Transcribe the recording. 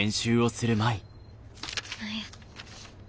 何や。